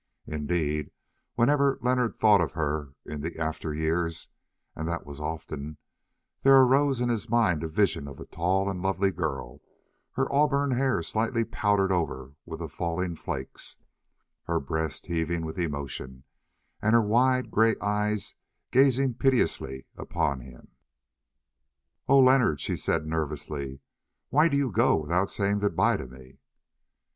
Indeed, whenever Leonard thought of her in after years, and that was often, there arose in his mind a vision of a tall and lovely girl, her auburn hair slightly powdered over with the falling flakes, her breast heaving with emotion, and her wide grey eyes gazing piteously upon him. "Oh! Leonard," she said nervously, "why do you go without saying good bye to me?"